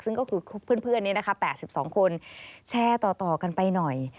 ซึ่งก็คือเพื่อนนี้นะคะ๘๒คนแชร์ต่อกันไปหน่อย